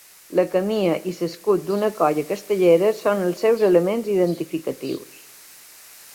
La camisa i l'escut d'una colla castellera són els seus elements identificatius.